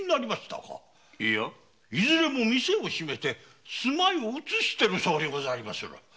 いずれも店を閉めて住まいを移してるそうでございます。